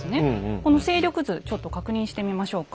この勢力図ちょっと確認してみましょうか。